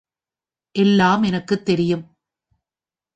எனக்கு எல்லாம் தெரியும்.